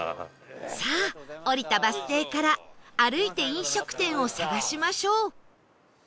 さあ降りたバス停から歩いて飲食店を探しましょう